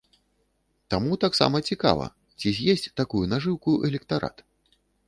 Таму таксама цікава, ці з'есць такую нажыўку электарат?